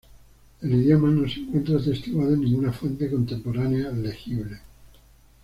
El idioma no se encuentra atestiguado en ninguna fuente contemporánea legible.